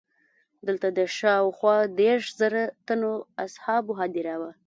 دلته د شاوخوا دېرش زره تنو اصحابو هدیره ده.